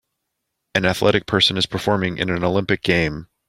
An athletic person is performing in an Olympic game.